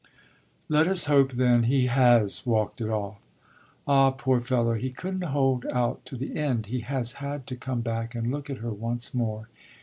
"Let us hope, then, he has walked it off!" "Ah poor fellow he couldn't hold out to the end; he has had to come back and look at her once more.